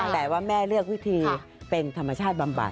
แต่ว่าแม่เลือกวิธีเป็นธรรมชาติบำบัด